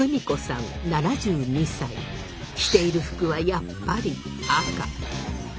着ている服はやっぱり赤！